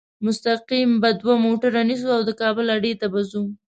مستقیم به دوه موټره نیسو او د کابل اډې ته به ځو.